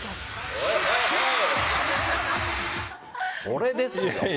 これですよ。